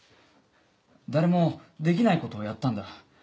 誰もできないことをやったんだ。